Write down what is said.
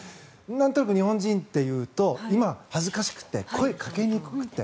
なんとなく日本人っていうと今、恥ずかしくて声、かけにくくて。